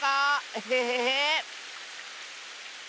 エヘヘヘー！